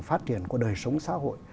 phát triển của đời sống xã hội